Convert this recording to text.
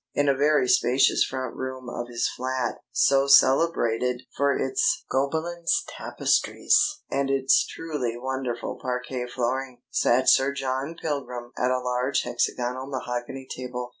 In a very spacious front room of his flat (so celebrated for its Gobelins tapestries and its truly wonderful parquet flooring) sat Sir John Pilgrim at a large hexagonal mahogany table.